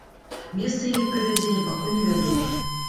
Месца яе правядзення пакуль невядомае.